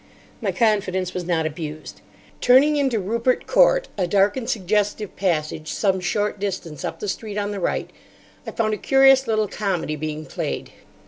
My confidence was not abused. Turning into Rupert Court, a dark and suggestive passage some short distance up the street on the right, I found a curious little comedy being played.